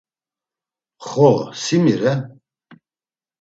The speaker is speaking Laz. Xo, si mi re?